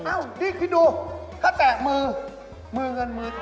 เอ้านี่คือดูถ้าแตะมือมือเงินมือทอง